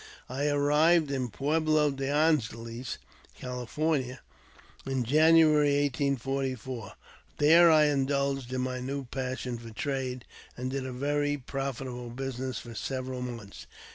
I arrived in Pueblo de Angeles (California) in January, 1844. There I indulged my new passion for trade, and did a very profitable business for several months.